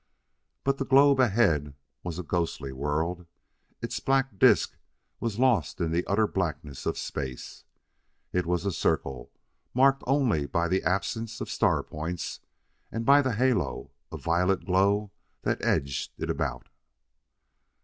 But the globe ahead was a ghostly world. Its black disk was lost in the utter blackness of space. It was a circle, marked only by the absence of star points and by the halo of violet glow that edged it about.